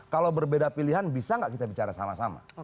kalau berbeda pilihan bisa nggak kita bicara sama sama